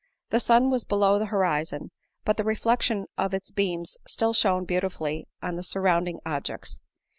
The sun was below the horizon, but the re flection of its beams still shone beautifully on the sur rounding objects.